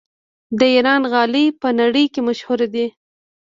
د ایران غالۍ په نړۍ کې مشهورې دي.